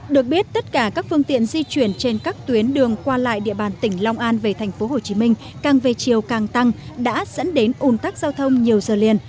được biết tất cả các phương tiện di chuyển trên các tuyến đường qua lại địa bàn tỉnh long an về tp hcm càng về chiều càng tăng đã dẫn đến ủn tắc giao thông nhiều giờ liền